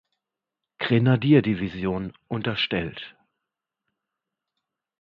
Grenadierdivision unterstellt.